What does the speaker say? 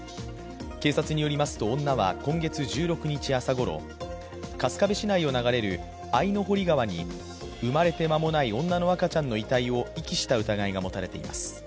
警察によりますと、女は今月１６日朝ごろ春日部市内を流れる会之堀川に生まれて間もない女の赤ちゃんの遺体を遺棄した疑いが持たれています。